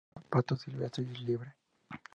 Reservada solo para pato silvestre y liebre.